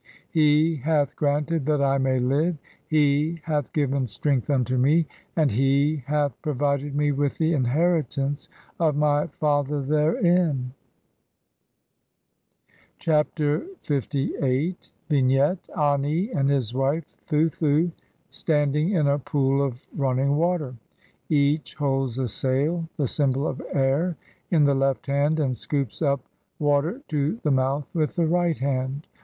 He hath "granted that I may live, he hath given strength unto me, and "he hath provided me with the inheritance of my father therein." Chapter LVI1I. [From the Papyrus of Ani (Brit. Mus. No. 10,470, sheet 16).] Vignette : Ani and his wife Thuthu standing in a pool of running water ; each holds a sail, the symbol of air, in the left hand, and scoops up water to the mouth with the right hand.